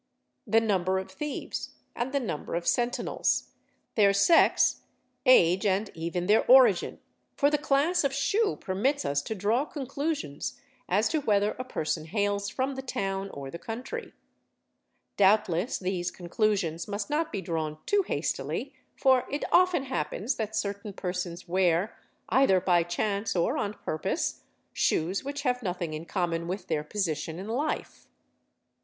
the number of thieves and the number of sentinels, their sex, age, and even their origin—for the class ——— ———E———— oe ,—'i'i' a... i a of shoe permits us to draw conclusions as to whether a person hails from the town or the country. Doubtless these conclusions must not be drawn too hastily, for it often happens that certain persons wear, either by chance or on purpose, shoes which have nothing in common with their position in life.